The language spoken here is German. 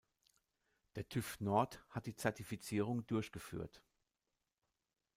Der TÜV Nord hat die Zertifizierung durchgeführt.